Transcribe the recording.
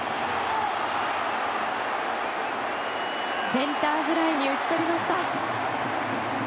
センターフライに打ち取りました。